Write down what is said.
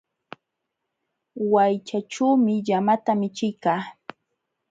Wayllaćhuumi llamata michiykaa.